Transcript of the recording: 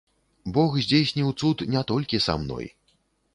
Бог здзейсніў цуд не толькі са мной.